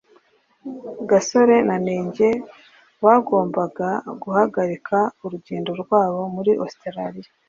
gasore na nenge bagombaga guhagarika urugendo rwabo muri ositaraliya